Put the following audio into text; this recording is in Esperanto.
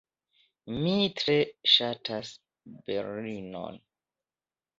Mi tre ŝatas Berlinon.